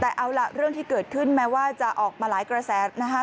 แต่เอาล่ะเรื่องที่เกิดขึ้นแม้ว่าจะออกมาหลายกระแสนะคะ